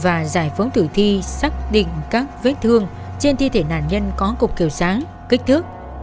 và giải phóng tử thi xác định các vết thương trên thi thể nạn nhân có cục kiểu sáng kích thước